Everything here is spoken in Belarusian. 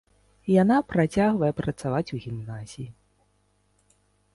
Яна працягвае працаваць у гімназіі.